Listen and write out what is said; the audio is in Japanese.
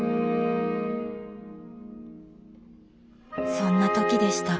そんな時でした。